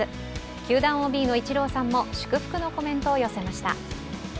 球団ＯＢのイチローさんも祝福のコメントを寄せました。